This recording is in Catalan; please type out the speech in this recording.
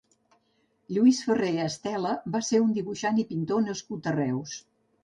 Lluís Ferré Estela va ser un dibuixant i pintor nascut a Reus.